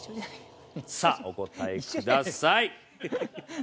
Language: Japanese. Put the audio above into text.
さあお答えください！